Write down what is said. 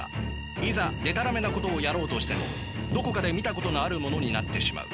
いざでたらめなことをやろうとしてもどこかで見たことのあるものになってしまう。